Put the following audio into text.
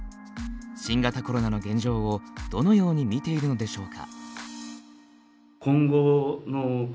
新型コロナの現状をどのように見ているのでしょうか。